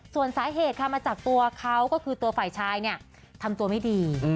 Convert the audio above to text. ส่วนสาเหตุค่ะมาจากตัวเขาก็คือตัวฝ่ายชายเนี่ยทำตัวไม่ดี